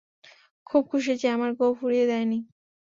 খুব খুশি যে আমার গোঁফ উড়িয়ে দেয়নি।